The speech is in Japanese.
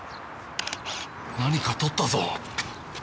何か撮ったぞ！